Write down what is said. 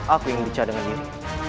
aku ingin bicara dengan diri